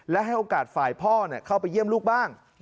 และให้โอกาสฝ่ายพ่อเข้าไปเยี่ยมลูกบ้าง